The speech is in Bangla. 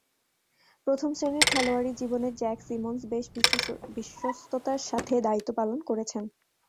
প্রথম-শ্রেণীর খেলোয়াড়ী জীবনে জ্যাক সিমন্স বেশ বিশ্বস্ততার সাথে দায়িত্ব পালন করেছেন।